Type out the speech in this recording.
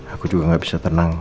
aku juga gak bisa tenang